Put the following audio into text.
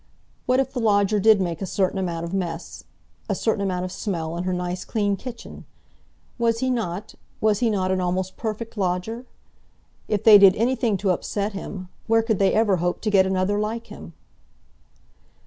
What if the lodger did make a certain amount of mess—a certain amount of smell—in her nice clean kitchen? Was he not—was he not an almost perfect lodger? If they did anything to upset him, where could they ever hope to get another like him?